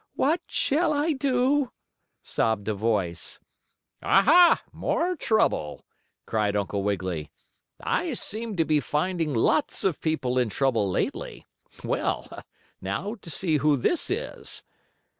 What shall I do?" sobbed a voice. "Ah, ha! More trouble!" cried Uncle Wiggily. "I seem to be finding lots of people in trouble lately. Well, now to see who this is!"